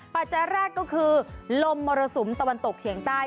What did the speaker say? ปัจจัยแรกก็คือลมมรสุมตะวันตกเฉียงใต้